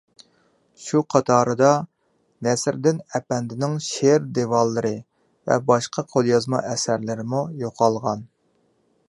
شۇ قاتاردا نەسرىدىن ئەپەندىنىڭ شېئىر دىۋانلىرى ۋە باشقا قوليازما ئەسەرلىرىمۇ يوقالغان.